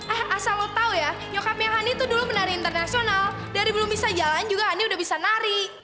eh asal lo tau ya nyokapnya hani tuh dulu menari internasional dari belum bisa jalan juga hani udah bisa nari